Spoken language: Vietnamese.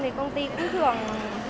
thì công ty cũng thưởng